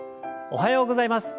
おはようございます。